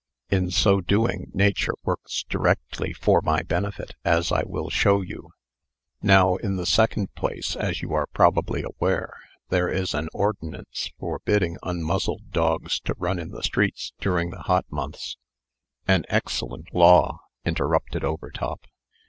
In so doing, Nature works directly for my benefit, as I will show you. Now, in the second place, as you are probably aware, there is an ordinance forbidding unmuzzled dogs to run in the streets during the hot months " "An excellent law," interrupted Overtop.